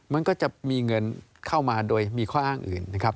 มันก็จะมีเงินเข้ามาโดยมีข้ออ้างอื่นนะครับ